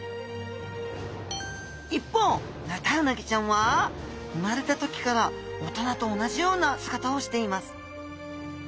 一方ヌタウナギちゃんは生まれた時から大人と同じような姿をしています